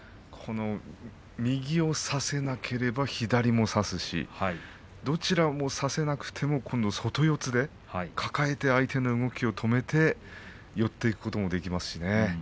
右を差せなければ左を差すしどちらも差せなくても今度は外四つで抱えて相手の動きを止めて寄っていくこともできますしね。